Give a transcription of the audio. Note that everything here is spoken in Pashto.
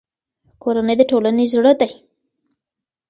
کورنۍ د ټولنې زړه دی.